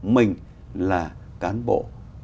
mình là cán bộ